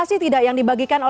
itu ada itu